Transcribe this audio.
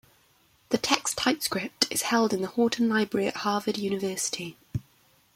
The text's typescript is held in the Houghton Library at Harvard University.